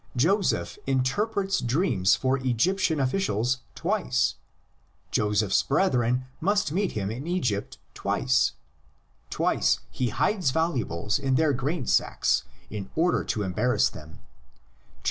Joseph interprets dreams for Egyptian officials twice; Joseph's brethren must meet him in Egypt twice; twice he hides valuables in their grain sacks in order to embarrass them (xlii.